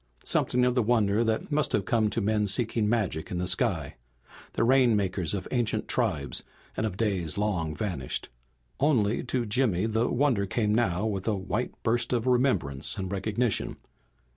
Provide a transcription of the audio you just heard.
Something of the wonder that must have come to men seeking magic in the sky, the rainmakers of ancient tribes and of days long vanished. Only to Jimmy the wonder came now with a white burst of remembrance and recognition.